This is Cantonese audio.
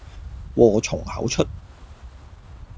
禍從口出